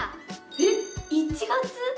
えっ１月？